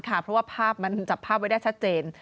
เพราะว่าภาพมันจับภาพไว้ได้ชัดเจน